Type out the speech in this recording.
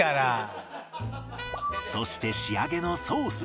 そして仕上げのソース